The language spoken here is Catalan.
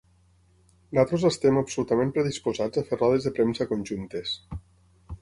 Nosaltres estem absolutament predisposats a fer rodes de premsa conjuntes.